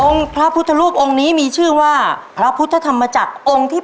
พระพุทธรูปองค์นี้มีชื่อว่าพระพุทธธรรมจักรองค์ที่๘